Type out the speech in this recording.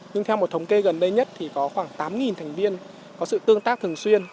nhưng theo một thống kê gần đây nhất thì có khoảng tám thành viên có sự tương tác thường xuyên